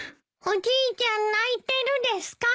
おじいちゃん泣いてるですか？